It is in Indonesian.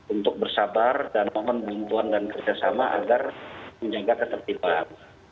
untuk bersabar dan mohon bantuan dan kerjasama agar menjaga ketertiban